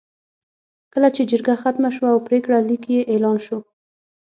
کله چې جرګه ختمه شوه او پرېکړه لیک یې اعلان شو.